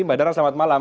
mbak dara selamat malam